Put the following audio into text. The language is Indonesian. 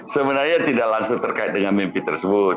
sebenarnya tidak langsung terkait dengan mimpi tersebut